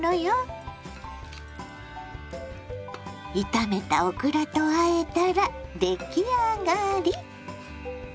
炒めたオクラとあえたら出来上がり。